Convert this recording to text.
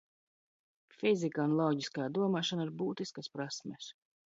Fizika un loģiskā domāšana ir būtiskas prasmes.